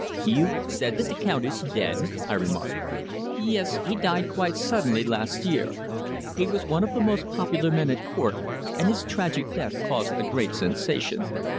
"You said that the count is dead," I remarked. "Yes. He died quite suddenly last year. He was one of the most popular men at Court, and his tragic death caused a great sensation.